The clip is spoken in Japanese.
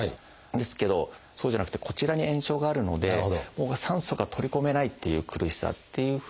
ですけどそうじゃなくてこちらに炎症があるのでもう酸素が取り込めないっていう苦しさっていうふうに出やすい。